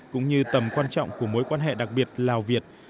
cũng như tầm quan trọng của mối quan hệ đặc biệt lào việt